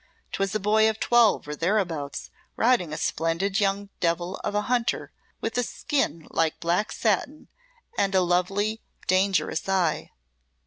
'Twas a boy of twelve or thereabouts riding a splendid young devil of a hunter, with a skin like black satin and a lovely, dangerous eye.